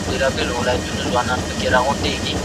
هغه ټول هغه کسان ووژل چې د ده زوی پسې یې خبرې کړې وې.